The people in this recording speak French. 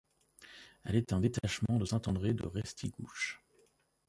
Elle est un détachement de Saint-André-de-Restigouche.